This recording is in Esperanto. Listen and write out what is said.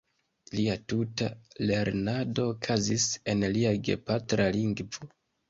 Lia tuta lernado okazis en lia gepatra lingvo.